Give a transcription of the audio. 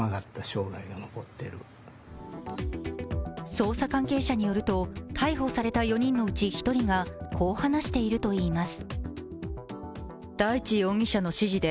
捜査関係者によると、逮捕された４人のうち１人がこう話しているといいます。